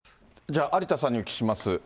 じゃあ、有田さんにお聞きします。